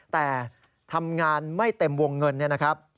แต่ทำงานไม่เต็มวงเงินเนี่ยนะครับ